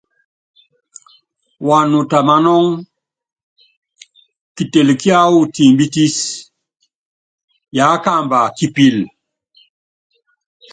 Wanuta manɔ́ŋ, kitel kiáwɔ timbitis yakamba kipil.